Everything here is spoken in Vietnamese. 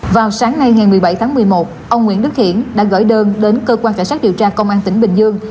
vào sáng nay ngày một mươi bảy tháng một mươi một ông nguyễn đức hiển đã gửi đơn đến cơ quan cảnh sát điều tra công an tỉnh bình dương